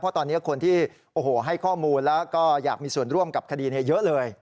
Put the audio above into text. เพราะตอนนี้คนที่ให้ข้อมูลแล้วก็อยากมีส่วนร่วมกับคดีเยอะเลย